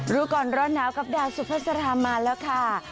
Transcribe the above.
รู้ก่อนร้อนหนาวกับดาวสุภาษามาแล้วค่ะ